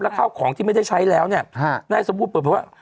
ข้าวของที่ไม่ได้ใช้แล้วเนี่ยนายสมบูรณเปิดเผยว่า